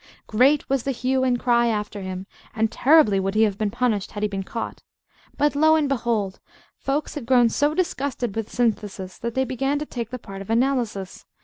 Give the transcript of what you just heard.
Great was the hue and cry after him; and terribly would he have been punished had he been caught. But, lo and behold, folks had grown so disgusted with Synthesis that they began to take the part of Analysis.